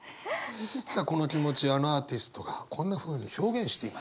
さあこの気持ちあのアーティストがこんなふうに表現していました。